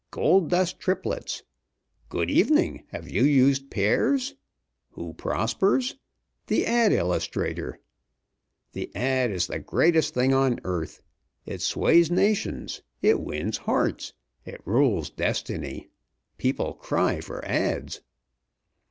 'Gold Dust Triplets;' 'Good evening, have you used Pear's?' Who prospers? The ad. illustrator. The ad. is the biggest thing on earth. It sways nations. It wins hearts. It rules destiny. People cry for ads."